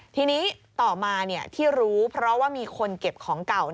ทีนี้ต่อมาที่รู้เพราะว่ามีคนเก็บของเก่า